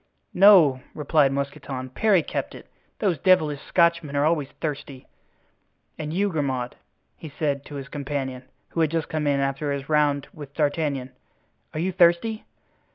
"No," replied Mousqueton, "Parry kept it. Those devilish Scotchmen are always thirsty. And you, Grimaud," he said to his companion, who had just come in after his round with D'Artagnan, "are you thirsty?"